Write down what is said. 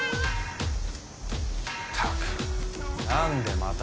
ったく何でまた。